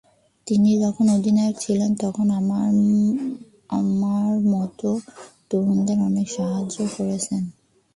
তিনি যখন অধিনায়ক ছিলেন, তখন আমার মতো তরুণদের অনেক সাহায্য করেছেন।